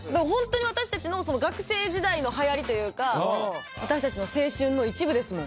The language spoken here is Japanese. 私たちの学生時代のはやりというか私たちの青春の一部ですもん。